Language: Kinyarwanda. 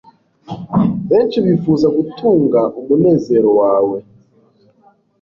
benshi bifuza gutunga umunezero wawe